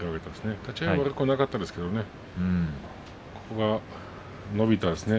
立ち合いは悪くなかったですけどね。